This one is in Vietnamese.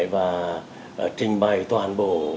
và trình bày toàn bộ